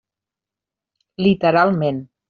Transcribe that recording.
Literalment.